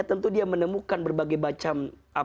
tentu dia menemukan berbagai macam